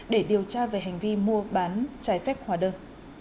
để điều tra về hành vi mua bán trái phép hóa đơn